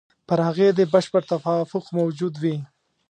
پر هغې دې بشپړ توافق موجود وي.